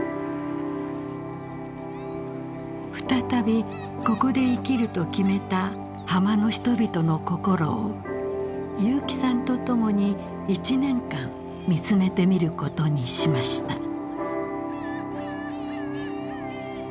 再びここで生きると決めた浜の人々の心を結城さんと共に１年間見つめてみることにしました。